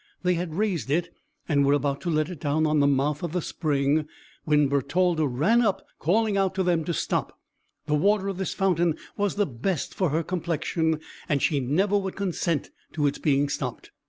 They had raised it, and were about to let it down on the mouth of the spring, when Bertalda ran up, calling out to them to stop: the water of this fountain was the best for her complexion, and she never would consent to its being stopped.